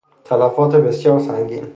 تلفات بسیار سنگین